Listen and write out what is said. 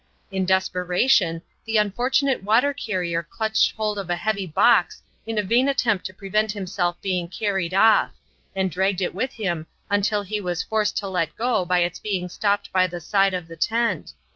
In desperation the unfortunate water carrier clutched hold of a heavy box in a vain attempt to prevent himself being carried off, and dragged it with him until he was forced to let go by its being stopped by the side of the tent.